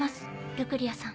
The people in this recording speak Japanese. ルクリアさん。